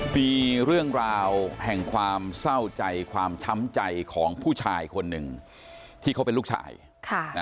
มีเรื่องราวแห่งความเศร้าใจความช้ำใจของผู้ชายคนหนึ่งที่เขาเป็นลูกชาย